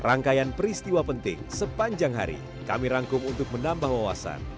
rangkaian peristiwa penting sepanjang hari kami rangkum untuk menambah wawasan